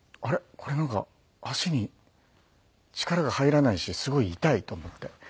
これなんか足に力が入らないしすごい痛いと思って。